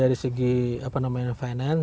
dari segi apa namanya finance